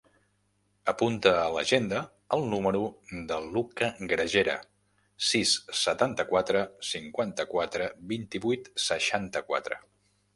Apunta a l'agenda el número del Luka Gragera: sis, setanta-quatre, cinquanta-quatre, vint-i-vuit, seixanta-quatre.